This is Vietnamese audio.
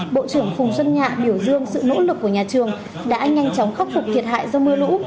bộ trưởng phùng xuân nhạ biểu dương sự nỗ lực của nhà trường đã nhanh chóng khắc phục thiệt hại do mưa lũ